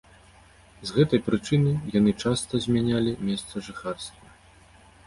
З гэтай прычына яны часта змянялі месца жыхарства.